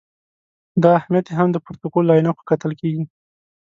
دا اهمیت یې هم د پروتوکول له عینکو کتل کېږي.